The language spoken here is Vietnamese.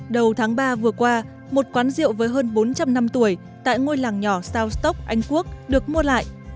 đầu tháng ba vừa qua một quán rượu với hơn bốn trăm linh năm tuổi tại ngôi làng nhỏ sao anh quốc được mua lại